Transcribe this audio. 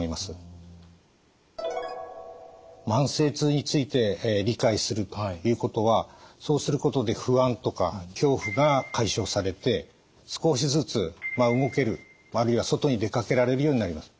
慢性痛について理解するということはそうすることで不安とか恐怖が解消されて少しずつ動けるあるいは外に出かけられるようになります。